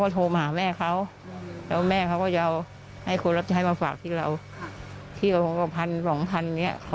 แต่ว่าเราพยายามนั่น